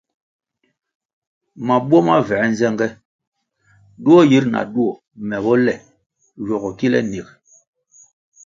Mabuo ma vuē nzenge duo yir na duo koh me bo le ywogo kile nig.